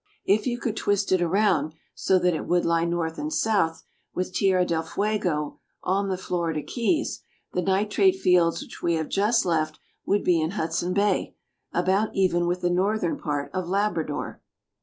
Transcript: If you could twist it around, so that it would lie north and south, with Tierra del Fuego on the Florida Keys, the nitrate fields which we have just left would be in Hudson Bay, about even with the northern part of Labrador.